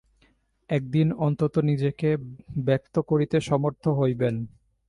একদিন অনন্ত নিজেকে ব্যক্ত করিতে সমর্থ হইবেন।